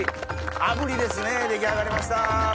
炙りですね出来上がりました。